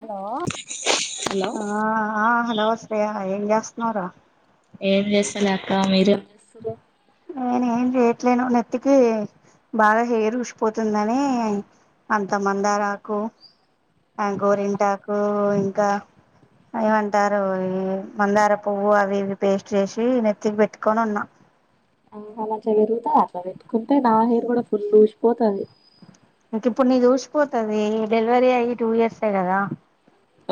Hello hello ఆ హ న వస్తయా ఏం జాస్త నవరా ఏం చేసలాక మీరు నేను ఏం చేయట్లేను నెత్తికి బాగా హెయిర్ ఉసిపోతుందని అంత మందారాకు ఆ గోరింటాకు ఇంకా ఏమంటారు ఈ మందార పువ్వు అవి ఇవి పేస్ట్ చేసి నెత్తికి పెట్టుకొని ఉన్నాం ఆ మంచిగా పెరుగుతా అట్లా పెట్టుకుంటే నా హెయిర్ కూడా ఫుల్ ఊసిపోతుంది ఇంక ఇప్పుడు నీ చూసిపోతుది డెలివరీ అయ్యి టూ ఇయర్స్ కదా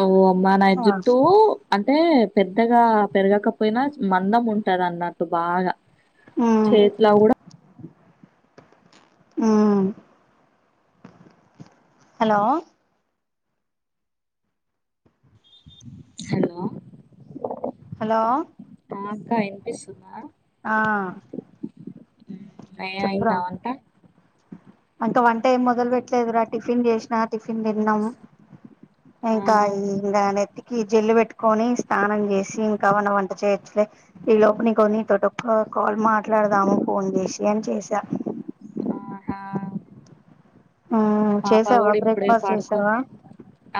ఓ అమ్మా ఆ నాజజుట్టు అ అంటే పెద్దగా పెరగకపోయినా మందం ఉంటద అన్నట్టు బాగా ఉమ్ చేతిలా కూడా మ్మ్ హలో హలో హలో ఆ అక్క వినిపిస్తుంద ఆ అయి అయింద వంటా అం వంట ఏం మొదలు పెట్టలేదురా టిఫిన్ చేసినా టిఫిన్ తిన్నాము ఆ నకాయింగా నెతి జల్లు పెట్టుకొని స్నానం చేసి ఇంకామన్నా వంట చేయచ్చలే ఈ లోపని కొని తోట ఒ కాల్ మాట్లాడదాము ఫోన్ చేసి అని చేసా ఆ నా మ్మ్ పాప చేసావా కూడా ఇప్పుడే బ్రేక్ఫాస్ట్ చేసావా పాడుకుని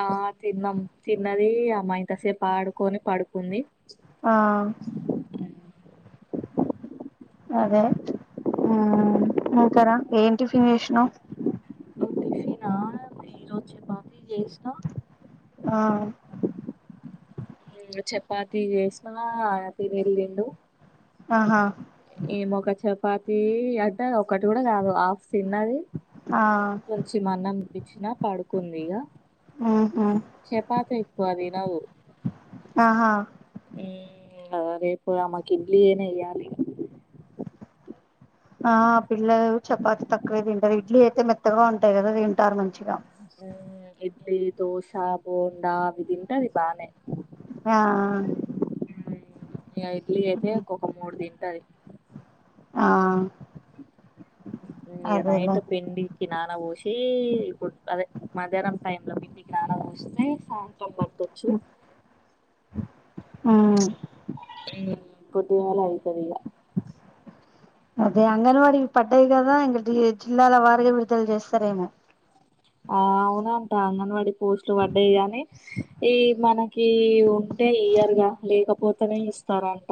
ఆ తిన్నాము తిన్నది అమ్మా ఇంత సేపు ఆడుకొని పడుకుంది ఆ అదే ఇంకాారా ఏం టిఫిన్ చేసినవ్ టిఫినా ఈరోజు చపాతి చేసిన ఆ చపాతి చేసిన తిని ఎలిండు ఆహా ఏమ ఒక చపాతి అడ్డ ఒకటి కూడా కాదు హాఫ్ చిన్నది ఆ కొంచం అన్నం ఇచ్చిన పడుకుందిగా మ్మ్ హ్మ్ చపాతి ఎక్కువ తినదు ఆహా మ్మ్ రెపు ఆమకి ఇడ్లీఅయినా వేయ్యాలి ఆ పిల్లలు చపాతి తక్కువే తింటారు ఇడ్లీ అయితే మెత్తగా ఉంటాయి కదా తింటారు మంచిగా ఇడ్లీ దోసా బోండా అ తింటది బానే ఆ ఇ ఇడ్లీ అయితే ఒక ఒక మూడు దన్ తిండి ఆ ఇ అదేలే నైట్ పెండి కి నాన పోసి ఇప్పుడు అదే మధ్యాహ్నం టై లో పింటికి నాన పోస్తే సాయంత్రం ప మ్మ్ పొటి అయితది అదే అంగన్వాడీ పడ్డాయి కదా ఇంక జిల్లాల వారగా విడుదలు చేస్తారేమో ఆ అవునాంట అంగన్వాడీ పోస్ట్లు పడ్డాయి గానీ ఈ మనకి అంటే ఇయర్ గా లేకపోతేనే ఇస్తారంట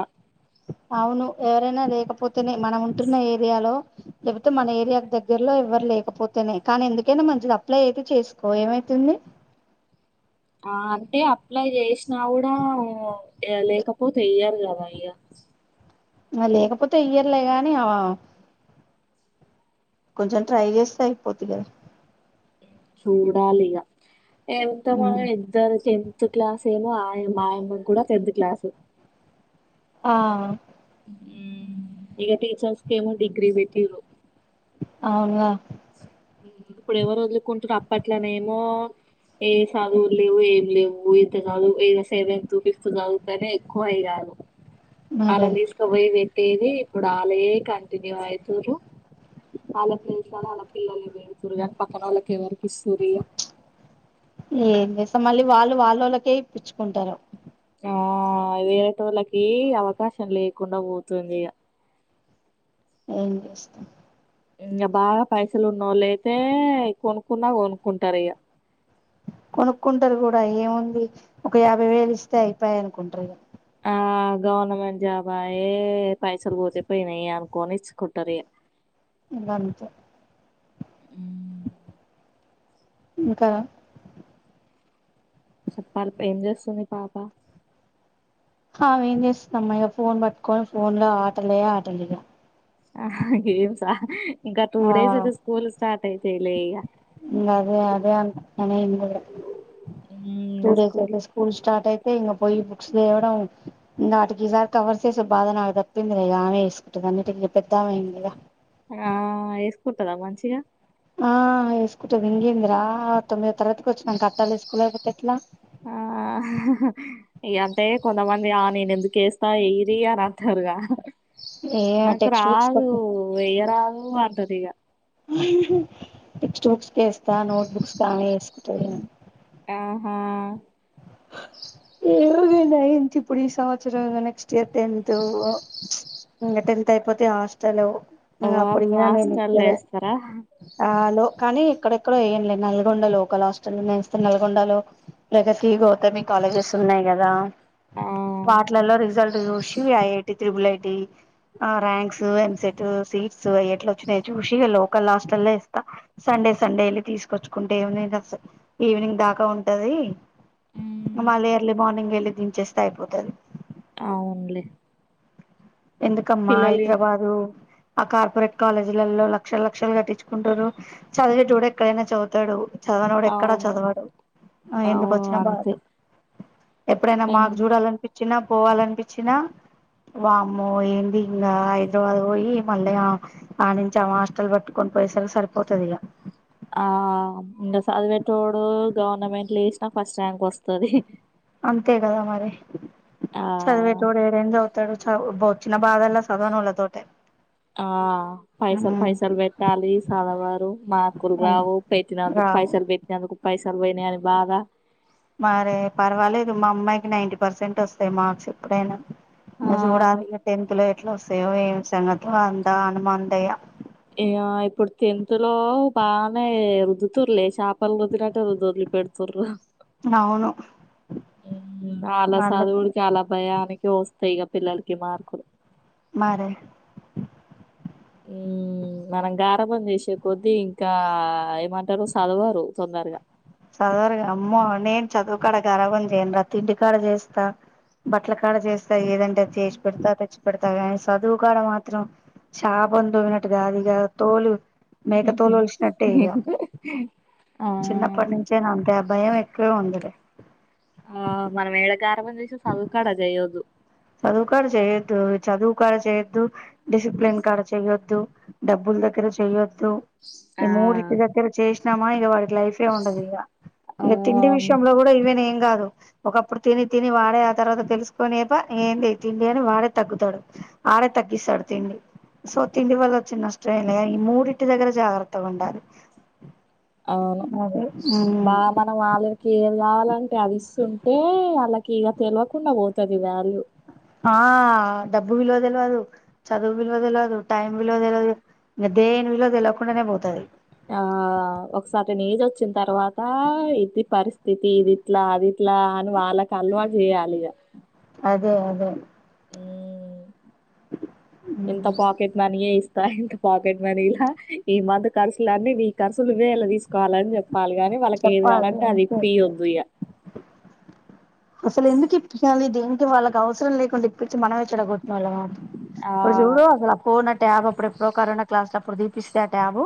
అవును ఎవరైనా లేకపోతేనే మనం ఉంటున్న ఏరియాలో లేకపోతే మన ఏరియా దగ్గరలో ఎవ్వరు లే లేకపోతేనే కానీ ఎందుకైనా మంచిది అప్లై అయితే చేసుకో ఏమైతుంది ఆ అంటే అప్లై చేసినా కూడా లేకపోతే అయ్యారు కదా అయ్యా లేకపోతే ఇయ్యర్లే గాని అ కొంచెం ట్రై చేస్తా అయిపోతు కదా చూడాలిగా ఏంత మ ఇద్దరు టెన్త్ క్లాస్ ఏమో మాయమ్మ కూడా టెన్త్ క్లాసు ఆ హ ఇక టీచర్స్ క ఏమ డిగ్రిీ బట్టు అవునా ఇప్పుడు ఎవరు వదులుకుంటుారు అప్పట్లనే ఏమో ఏ చదువు లేవు ఏం లేవు ఇంత చదువు ఇ సెవెంతత్ ఫిఫ్త్ చదువుతేనే ఎక్కువ అయి కాారు మరి అలా తీీసుకు పోయి పట్టేది ఇప్పుడు ఆలయే కంటిన్యూ అవుతారు ఆల ప్లే పిల్లలుేడుతురు కాని పక్కన వాళ్ళకి ఎవరికి ఇస్తు్ర ఇయా లేం ససో మళ్ళీ వాళ్ళు వాళ్ళ వాళ్ళకే ఇప్పచ్చుకుంటారు ఆ వేరేటోళ్ళకి అవకాశం లేకుండా పోతుంది ఇ ఏం చేస్తాం ఇంకా బాగా పైసలు ఉన్నవాళ్ళు అయితే కొనుక్కున్నా కొనుక్కుంటారు ఇక కొనుక్కుంటారు కూడా ఏముంది ఒక యాభై వేలు ఇస్తే అయిపోయ అనుకుంటారు ఆ గవర్నమెంట్ జాబు ఆయ్యే పైసలు పోతేపోయినాయి అనుకోని ఇచ్చుకుట్టారు ఇంకా అంతే ఉమ్ ఇంకా చెప్పాలి ఏం చేస్తుంది పాప అమె ఏం చేస్తున్నామ్మా ఇగా ఫోన్ పట్టుకొని ఫోన్ లో ఆటలే ఆటలిగా ఆ గేమ్సా ఇంకా టూ ఆ డేస్ అయితే స్కూల్ స్టార్ట్ అయితేలే ఇక ఇగా అదే అదే అనుకుంటున్నా నేను కూడా టూ డేస్ అయితే స్కూల్ స్టార్ట్ అయి పోయి ఇంకా లేవడం వాటికి ఈసారి కవర్ చేస బాధ నాకు తప్పింది ఆమె వేసుకుంతుంది అన్ని ఆ వేసుకుంటాద మంచిగా ఆ వేసుకుంటుది ఇంకేంద్ర ఆ తొమ్మిదవ తరగతికి వచ్చినాక కట్టాలు వేసుకోలేకపోతే ఎట్లా [inaudible] ఇ అంటే కొంతమంది ఆ నేను ఎందుకు వేస్తా వేయ్యరి అని అంటారుగా ఏ నాకు టెక్స్ట్ బుక్స్ రాదు వెయ్య రాదూ వంటదిగా టెక్స్ట్ బుక్స్ వేస్తాను నోట్ బుక్స్కి కామె వేసుకుంటాంది ఆహా ఏవగేనా ఇంత ఇప్పుడు ఈ సంవత్సరం నెక్స్ట్ ఇగ టెన్త్ ఇంకా టెన్త్ అయిపోతే హాస్టల్ వామ్మో అప్పుడినా నేను హాస్టల్లో ఇక్కడే వేస్తారా ఆలో కానీ ఎక్కడెక్కడో ఏం లేదు నల్గొండ లోకల్ హాస్టల్ నేస్తే నల్గొండలో ప్రగతి అంటే మీ కాలేజెస్ ఉన్నాయి కదా ఆ వాటిలలో రిజల్ట్ చూషి విఐటి ట్రిబుల్ ఐటి ఆ ర్యాంక్స్ ఎంసెట్ సీట్స్ ఎట్లా వచ్చినాయో చూసి లోకల్ హాస్టల్ లో వేస్తా సం డే సండే వెళ్ళి తీసుకొచ్చుకుంటా ఈవినింగ్ దాకా ఉంటాది ఉమ్, మళ్ళీ ఎర్లీ మార్నింగ్ వెళ్ళి దించేస్తే అయిపోతాది అవునులే ఎందుకమ్మా పిల్లలు హైదరాబాదు ఆ కార్పొరేట్ కాలేజీలలో లక్షల లక్షలు కట్టించుకుంటారు చదివే తోడు ఎక్కడైనా చదువుతాడు చదవని వాడు ఎక్కడా అవును చదవాడు ఆ ఎందుకు అవును వచ్చినా బాధ అంతే ఎప్పుడైనా ఎన్ మాకు చూడాలనిపించినా పోవాలనిపించినా బాగు అమ్మో ఏంటి ఇంకా హైదరాబాద్ పోయి మళ్ళీ ఆనించి హాస్టల్ పట్టుకని పోయిసరికి సరిపోతాది పోతాదిగా ఆ ఇంకా చదివేటోడు గవర్నమెంట్లు వేసినా ఫస్ట్ ర్యాంక్ వస్తాది అంతే కదా మరి ఆ చదివేతోడు ఏడైనా చదువుతాడు డు చ వచ్చిన బాధ అల్లా చదవనోళ్ల తోటే ఆ పైసలు పైసలు పెట్టాలి చదవరు మార్కులు రావు పెట్టినందుకు రావు పైసలు పెట్టినందుకు పైసలు పోయనాని బాధ మరి పర్వాలేదు మా అమ్మాయికి నైన్టీ పర్సెంట్ వస్తాయి మార్క్స్ ఎప్పుడైనా ఆ చూడాలి ఇ టెన్త్ లో ఎట్లా వస్తాయో ఏమి సంగతి అంతా హనుమాన్ ఇక ఇప్పుడు టెన్త్ లో పానే రుదుతుర్లే చాపలు రుదినట్టే రుద్ది వదిలి పెడతారు అవును అళ్ళ అందుకు చదువులాకి అలా భయానికి వస్త ఇక పిల్లలకి మార్కులు మరే ఉమ్ మనం గారంభం చేసే కొద్దీ ఇంకా ఏమంటారు చదవరు తొందరగా చదవరగా అమ్మ నేను చదువుకాడ గరాభం చేయను రా తిండి కాడ చేస్తా బట్టల కాడ చేస్తా ఏదంటే అది చేచి పెడతా అ పెడతా కానీ చదువుకాడ మాత్రం చాపను తోమినట్టుగాదిగా తోలు మేక తోలు వలిసినట్టే ఇక ఆ చిన్న అప్పటి నుంచే నా అంతే భయం ఎక్కువే ఉండిది ఆ మనం ఏడ గరభం చేసిన చదువుకడ చేయదు చదువు కడ చేయొద్దు చదువు కడ చేయొద్దు డిసిప్లిన్ కడ చేయొద్దు ద్దు డబ్బుల దగ్గర చేయద్దు ఆ ఈ మూడిటి దగ్గర చేస్తే చేసినామా ఇక వాడికి లైఫే ఉండదు ఇక ఆ ఇక తిండి విషయంలో కూడా ఇవేనే ఏం కాదు ఒకప్పుడు తిని తిని వాడే ఆ తర్వాత తెలుసుకొని తప్ప ఏంది ఇ తిండి అని వాడే తగ్గుతాడు వాడే తగ్గిస్తాడు తిండి సో తిండి వల్ల వచ్చిన నష్టమే లే ఈ మూడింటి దగ్గర జాగ్రత్తగా ఉండాలి అవును అదే ఉమ్. బా మనం వాళ్ళకి ఏం కావాలంటే అవి ఇస్తుంటే వాళ్ళకి ఇక తెలియకుండా పోతది వ్యాల్యూ ఆ డబ్బు విలువ తెలవదు చదువు విలువ తెలవదు టైమ్ విలువ తెలవదు ఇక దేనికి దీని విలువ తేలవకుండనే పోతు అది ఆ ఒక సరిటెన్ ఏజ్ వచ్చిన తర్వాత ఇది పరిస్థితి ఇదిట్లా అది ఎట్లా అని వాళ్ళకి అలవాటు చేయాలి ఇక అదే అదే ఎంత ఉమ్. పాకెట్ మని ఎ ఇస్త తహిత్తు పాకెట్ మనీ ఇలా ఈ మంత్ కర్సులనీ నీ కర్సుల్ నువ్వే ఎలాదిస్కోవాలాన్ ఎప్ పాల్ గాని వాళ్ళకి ఏది చెప్పాలి గావలంటే అది అంతే ఇప్పియొద్దు ఇయా అసలు ఎందుకు ఇప్పింయాలి దేనికి వాళ్ళకి అవసరం లేకుండా ఇప్పించి మనవే చేడగొన్ మళ్ళా గాన్ ఇప్పుడు ఆ జుడు అసలు ఆ పోన్ అంటే అప్పుడ్ ఎప్పుడో కరోనా క్లాస్ పుడు దిపిస్తే ఆ ట్యాబు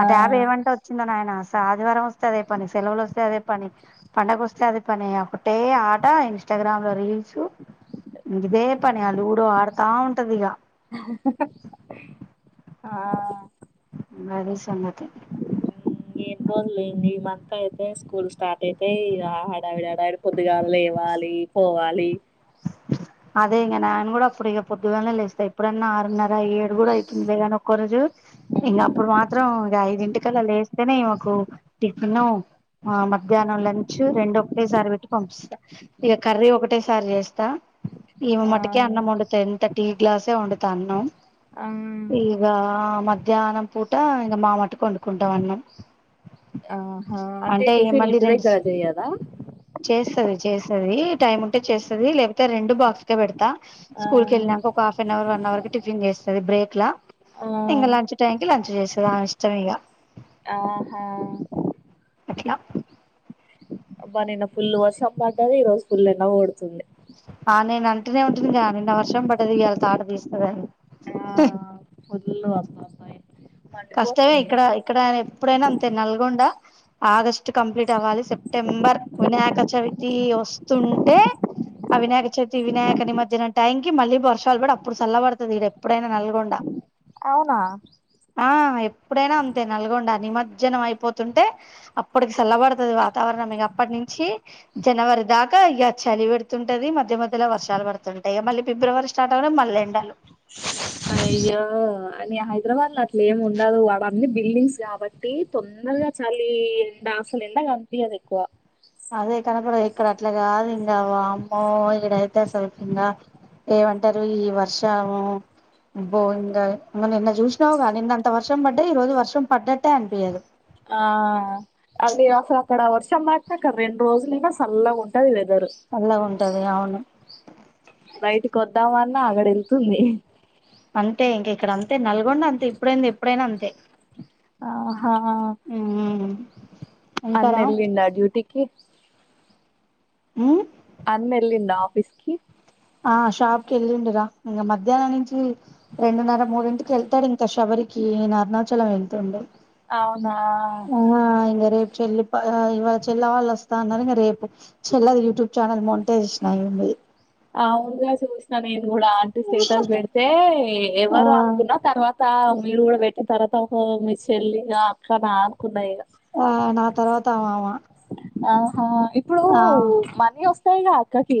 ఆ ట్యాబ్ ఏమంటే వచ్చిందో నాయనా సా ఆదివారం వస్తే అదే పని సెలవులు వస్తే అదే పని పండగోస్తే అదే పని అపుట్ టే ఆటా ఇన్స్టాగ్రామ్ లో రీల్ చూ గిదే పని ఆ లూడో ఆడతా ఉంటది ఇగా ఆ గది సంగతి. ఏన్ రోలు లేండి. ఈ మంత్ అయితే స్కూల్ స్టార్ట్ అయితయ్ ఇగా హా హాడావిడి హడావిడ్ పొద్దుగాళ్ లేవాల్ లీ పోఫాలి. అదే ఇంగా నాన్ గూడా అప్పుడు ఇగా పొద్దుగాలనే లేస్తా ఇప్పుడన్నా ఆరున్నర ఏడు కూడా అయితుంది గానీ ఒకో రోజు ఇంగా అప్పుడు మాత్రం ఇగా ఐదింటికలా లేస్తేనే ఇవకు టిఫిను ఆ మధ్యానం లంచు రెండు ఒకటేసారి పెట్టి పంపిస్తా ఇగా కర్రీ ఒకటేసారి జేస్ తా ఆ ఇవ్వమంటికే అన్నం వండుతా ఎంత టీ గ్లాసే వండుతా అన్నం. ఆ ఇగా మధ్యాహ్నం పూట ఇంగా మా మంటుకి వండుకుంటావ్ అన్నం ఆహా అంటే టిఫిన్ ఇంటి దగ్గర జేయదా. చేసది చేసది టైమ్ ఉంటే చేసది లేపోతే రెండు బాక్స్కే బెడు తా ఆ స్కూల్ కెళ్ళినాక ఒక హఫీనావర్ వన్ అవర్ కి టిఫిన్ జేసది బ్రేక్లా ఆ ఇంగా లంచ్ టైంకి లంచ్ జేసద్ ఆవి ఇష్టం ఇగా ఆహా అట్లా అబ్బా నిన్న ఫుల్లు వర్షం బడది. ఈ రోజు ఫుల్ ఎండ ఓడుతుంది. ఆ నేన్ అంటనే ఉంటుంనిగా నిన్న వర్షం పడ్డది ఇయాలా తాట దిస్తదని వద్దులు అబ్ అబ్ అయ్ కష్టవే ఇక్కడ ఇక్కడ రేప్ ప్పుడైనా అంతే నల్గొండ ఆగస్ట్ కంప్లీట్ అవ్వాలి. సెప్టెంబర్ వినాయక చవితి ఓ స్తుంటే ఆ వినాయక చవితి వినాయక నిమజ్జనం టైంకి మళ్ళీ వర్షాలు బడి అప్పుడు సల్ల బడుతది ఇక్కడ ఎప్పుడైనా నల్గొండ. అవునా ఆ ఎప్పుడైనా అంతే నల్గొండ నిమజ్జనం అయిపోతుంటే అప్పటికి సల్లబడుతది వాతావ వరం ఇగా అప్పటి నుంచి జనవరి దాకా ఇగా చలి వేడుతుంటది మధ్య మధ్యలా వర్షాలు వాడుతుంటాయ్ ఇగా మళ్ళీ ఫిబ్రవరి స్టార్ట్ అవడం మళ్ ఎండలు అయో అని హైద్రావాద్ లో అట్లే ఏమి ఉండదు. అవన్ని బిల్డింగ్స్ గాబట్టి తొందర్ చ చలి ఎండ అసలు ఎండ గంపియాద్ ఎక్కువ అదే కనబడయ్ ఇక్కడ అట్లా గాదు ఇంగా వామ్మో ఇడైతే అసక్ ఇంగా ఏవంటారు ఈ వర్షము బో ఇంగా నిన్న జూష్ణవుగా నిన్నన్ తా వర్షం పడయ్ ఈ రోజు వర్షం పడంటే అన్పియదు. ఆ అది అసలు అక్కడ వర్షం మంటకు రెండు రోజులైనా సల్లగా ఉంటది. వేద్ అలాగుంటది. అవును కొద్దామన్నా ఆగడ్ ఏళ్తుంది. అంతే ఇంకా ఇక్కడ అంతే నల్గొండ అంతే ఇప్పుడైంది ఎప్పుడైనా అంతే ఆహా ఉమ్ ఇంకారా అన్నెలిండా డ్యూటీకిి హు్ అన్నేలిండా ఆఫీస్కీ ఆ షాప్కి ఏళ్లిండురా ఇంగా మధ్యాన్నం నుంచి రెండున్నర మూడింటికి ఏళ్తాడు ఇంకా శబరికి ఈయన అరుణాచలం ఏళ్ళ్తుండు. అవున్ ఉవా ఇంగా రేప్ చెల్లి ఇవాళ చెల్ల వాళ్ళు వస్తా అన్నారు రేపు చెల్లది యూట్యూబ్ ఛానల్ మంటే ఇచ్చినాయింది ఆవునుగా చూస్తా కూడా అంటి స్టేటస్ పెడితే ఆ ఎవరు అనుకున్నా తర్వాత మీరు కూడా పెట్టిన తర్వాత ఒక మీ చెల్లిగా అక్కనే అనుకున్నాయి ఇక ఆ నా తర్వాత అ ఆహా ఇప్పుడు మనీ వస్తాయిగా అక్కకి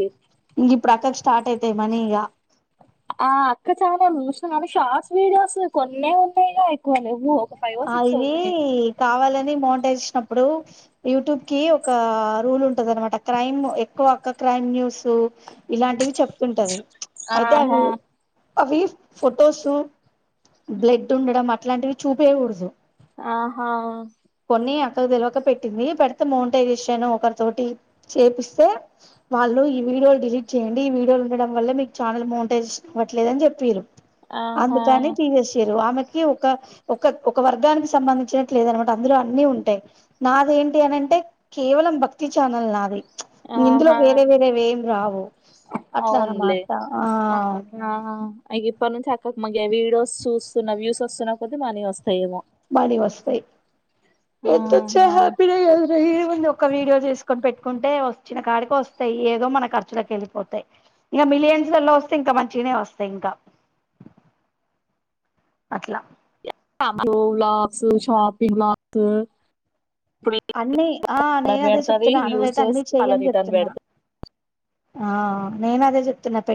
ఇంగ ఇప్పుడు అక్కకి స్టార్ట్ అయితాయి మనీ ఇగ ఆ అక్క చాల్ చూసిన కానీ షార్ట్స్ వీడియోస్ కొన్ని ఉన్నాయిగా ఎక్కువవ్వు ఆ ఇది కావాలని మోంటే ప్పుడు యూట్యూబ్ కి ఒక రూల్ ఉంటది అనమాట క్రైమ్ ఎక్కువ అక్క క్రైమ్ న్యూస్ సో ఇలాంటివి చెప్తుంటవి అయితే ఆహా! అవి అవి ఫొటోస్ బ్లడ్ ఉండడం అట్లాంటివి చూపేయకూడదు ఆహో కొన్ని అక్కకు తెలివక పెట్టింది పెడితే మోంటై చేషాను ఒకరి తోటి చేపిస్తే వాళ్ళు ఈ వీడియోలు డిలీట్ చేయండి ఈ వీడియోలు ఉండడం వల్ల మీకు ఛానల్ బౌంటే ఇవ్వట్లేదు అని చెప్పిరు ఆహా! అందుకని తీవేసారు ఆమెకి ఒక ఒక ఒక వర్గానికి సంబంధించినట్ లేదనమాట అందులో అన్నీ ఉంటాయి నాద ఏంటి అనింటే కేవలం భక్తి చఛానల్ నాది ఇందులో ఆహా! వేరే వేరే వేం రావు అట్లా అవునులే అన్నమాట ఆ అక ఇప్పటి నుంచి అక్క మగ వీడియోస్ చూస్తున్న వ్యూస్ వస్తున్నా కొద్ది మనీవి వస్తాయేమో బనీ వస్తాయి ఎంతొచ్చ ఆహా! హ్యాపీ నే కదా రా ఏం ఉంది ఒక వీడియో చేసుకొని పెట్ కుంటే వచ్చిన కాడికి వస్తాయి ఏదో మన ఖర్చులకు వెళ్ళిపోతాయి ఇంకా మిలియన్స్లో వస్తే ఇంకా మంచి వస్తాయి ఇంకా అట్లా [unintelligible] బ్లాస్ షాపింగ్ బ్లాక్స్ అన్నీ ఆ నేను అదే పెడతది చెప్తున్నా వ్యూస్ నువ్వైతే అన్ని చేసి చెయ్య మళ్ళ అని రిటర్న్ పెడతది. చెప్తున్నా ఆ నేను అదే చెప్తున్నా పెట్